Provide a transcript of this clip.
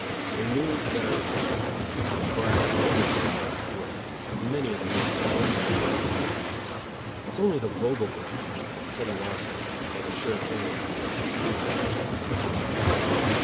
They knew that I would keep my promise, for I have always been a man of my word; as many of the most successful grafters are. It is only the vogel grafter, the petty larceny thief or the "sure thing" article, who habitually breaks his word.